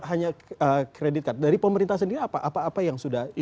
hanya credit card dari pemerintah sendiri apa apa apa yang sudah dilakukan